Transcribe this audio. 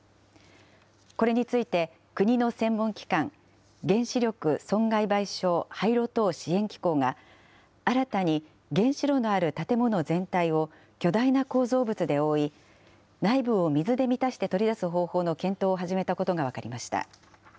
これについて、国の専門機関、原子力損害賠償・廃炉等支援機構が、新たに原子炉のある建物全体を巨大な構造物で覆い、内部を水で満たして取り出す方法の検討を始めたことが分かりました。